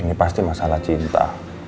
ini pasti masalah cinta